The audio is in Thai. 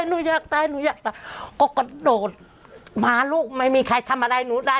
หนูอยากตายหนูอยากตายก็กระโดดมาลูกไม่มีใครทำอะไรหนูได้